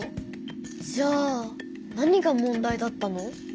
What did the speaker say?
じゃあ何が問題だったの？